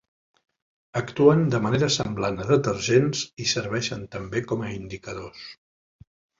Actuen de manera semblant a detergents i serveixen també com a indicadors.